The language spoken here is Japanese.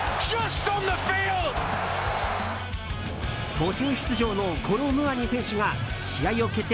途中出場のコロ・ムアニ選手が試合を決定